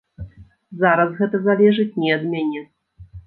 Зараз гэта залежыць не ад мяне.